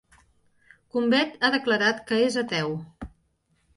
Combet ha declarat que és ateu.